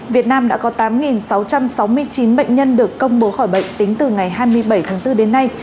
việt nam đã có tám sáu trăm sáu mươi chín bệnh nhân được công bố khỏi bệnh tính từ ngày hai mươi bảy tháng bốn đến nay